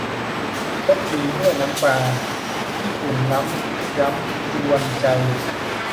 รสดีด้วยน้ำปลา ญี่ปุ่นล้ำย้ำยวนใจ